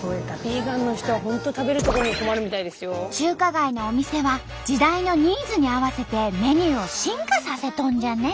中華街のお店は時代のニーズに合わせてメニューを進化させとんじゃね！